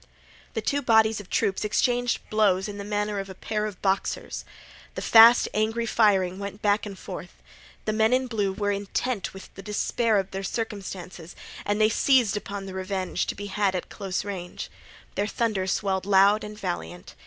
The two bodies of troops exchanged blows in the manner of a pair of boxers. The fast angry firings went back and forth. The men in blue were intent with the despair of their circumstances and they seized upon the revenge to be had at close range. Their thunder swelled loud and valiant.